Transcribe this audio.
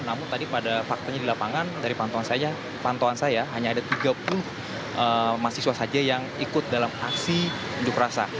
namun tadi pada faktanya di lapangan dari pantauan saya hanya ada tiga puluh mahasiswa saja yang ikut dalam aksi unjuk rasa